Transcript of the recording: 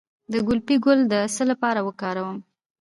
د ګلپي ګل د څه لپاره وکاروم؟